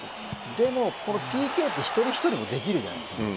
ＰＫって一人ひとりでもできるじゃないですか。